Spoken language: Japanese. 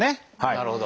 なるほど。